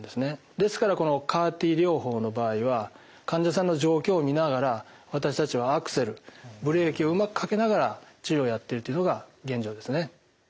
ですからこのＣＡＲ−Ｔ療法の場合は患者さんの状況を見ながら私たちはアクセルブレーキをうまくかけながら治療をやっているっていうのが現状ですね。